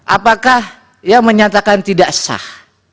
apakah ia menyatakan tidak sah